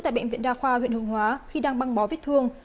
tại bệnh viện đa khoa huyện hương hóa khi đang băng bó vết thương